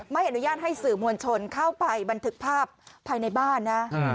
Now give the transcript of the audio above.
ไม่อนุญาตให้สื่อมวลชนเข้าไปบันทึกภาพภายในบ้านนะ